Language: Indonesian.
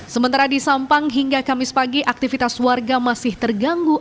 sementara di sampang hingga kamis pagi aktivitas warga masih terganggu